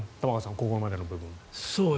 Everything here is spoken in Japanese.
ここまでの部分。